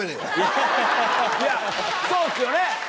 いやそうですよね！